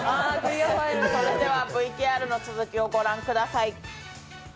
ＶＴＲの続きをご覧ください。